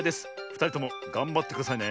ふたりともがんばってくださいね。